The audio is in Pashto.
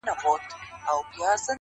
o ماته يې په نيمه شپه ژړلي دي.